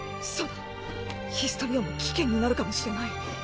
そうだヒストリアも危険になるかもしれない。